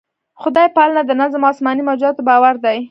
خدای پالنه د نظم او اسماني موجوداتو باور دی.